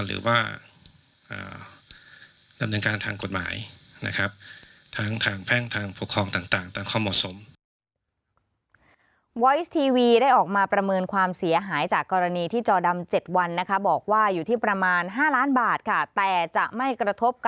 หรือว่าดำเนินการทางกฎหมายนะครับ